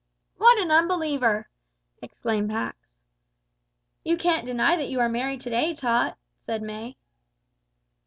"What an unbeliever!" exclaimed Pax. "You can't deny that you are merry to day, Tot," said May.